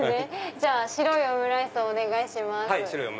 じゃあ白いオムライスお願いします。